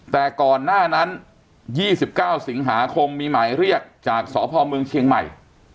แต่ก่อนหน้านั้น๒๙สิงหาคมมีหมายเรียกจากสพเมืองเชียงใหม่